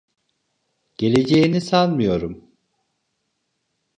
Geleceğini sanmıyorum.